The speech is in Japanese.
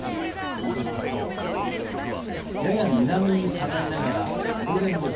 動かしますとやや南に下がりながら午前５時